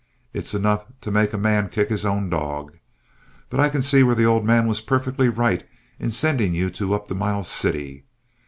It's enough to make a man kick his own dog. But I can see where the old man was perfectly right in sending you two up to Miles City.